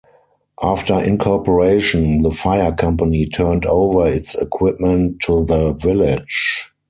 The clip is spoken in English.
After incorporation, the fire company turned over its equipment to the village.